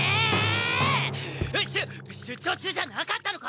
しゅ出張中じゃなかったのか！？